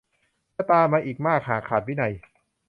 จะตามมาอีกมากหากขาดวินัย